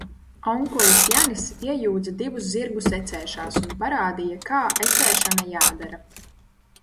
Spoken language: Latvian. Onkulis Janis iejūdza divus zirgus ecēšās un parādīja, kā ecēšana jādara.